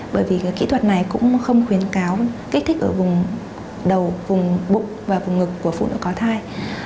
bởi vì kỹ thuật này cũng không khuyến cáo kích thích ở vùng đầu vùng bụng và vùng ngực của phụ nữ có thai